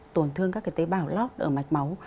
tổn thương các tế bào lót ở mạch máu